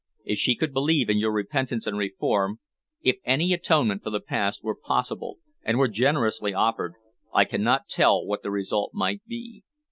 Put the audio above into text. If she could believe in your repentance and reform, if any atonement for the past were possible and were generously offered, I cannot tell what the result might be.